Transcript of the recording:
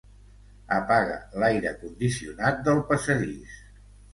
Apaga l'aire condicionat del passadís.